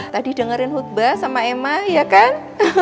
tadi dengerin khutbah sama emma ya kan